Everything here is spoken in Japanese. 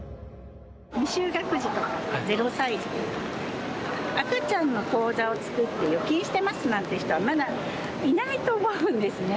未就学児とか０歳時とか、赤ちゃんの口座を作って預金してますなんて人は、まだいないと思うんですね。